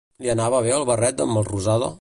Li anava bé el barret d'en Melrosada?